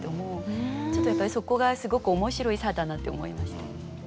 そこがすごく面白い差だなって思いました。